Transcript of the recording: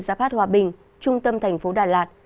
giáp phát hòa bình trung tâm thành phố đà lạt